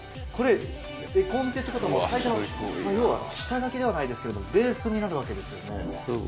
これ絵コンテってことは最初の要は下描きではないですけどもベースになるわけですよね。